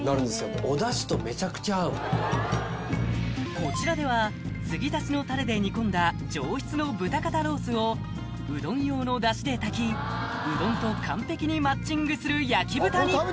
こちらではつぎ足しのタレで煮込んだ上質の豚肩ロースをうどん用のダシで炊きうどんと完璧にマッチングする焼豚に！